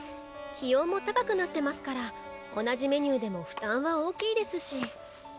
気温も高くなってますから同じメニューでも負担は大きいですし。